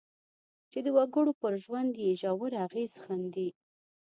چې د وګړو پر ژوند یې ژور اغېز ښندي.